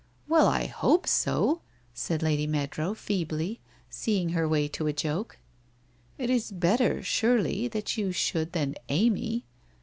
1 Well, I hope so,' said Lady Meadrow feebly, seeing her way to a joke. ' It is better surely that you should than Amy